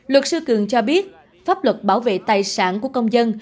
luật sư cường cho biết pháp luật bảo vệ tài sản của công dân